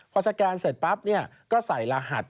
พอสแกนเสร็จปั๊บก็ใส่รหัส